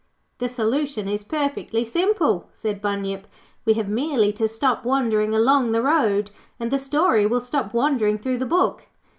'The solution is perfectly simple,' said Bunyip. 'We have merely to stop wandering along the road, and the story will stop wandering through the book.